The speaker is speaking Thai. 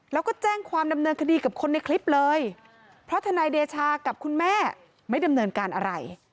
แล้วก็แจ้งความดำเนินคดีกับคนในคลิปเลยเพราะทนายเดชากับคุณแม่ไม่ดำเนินการอะไร